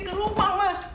ke rumah ma